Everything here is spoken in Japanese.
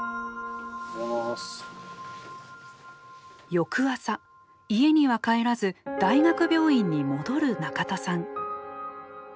翌朝家には帰らず大学病院に戻る仲田さん。